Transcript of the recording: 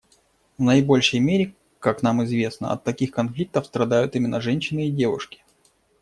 В наибольшей мере, как нам известно, от таких конфликтов страдают именно женщины и девушки.